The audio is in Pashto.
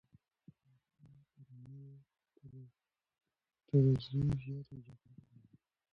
اقبال خان تر زوی زیات په جګړه کې وو.